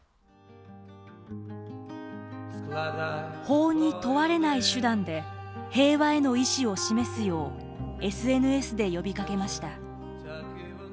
法に問われない手段で平和への意思を示すようＳＮＳで呼びかけました。